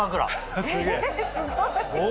えすごい。